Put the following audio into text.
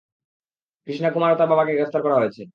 কৃষ্ণা কুমার ও তার বাবাকে গ্রেফতার করা হয়েছে।